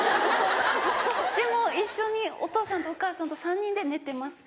でも一緒にお父さんとお母さんと３人で寝てます